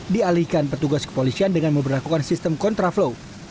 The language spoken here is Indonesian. dialihkan petugas kepolisian dengan memperlakukan sistem kontraflow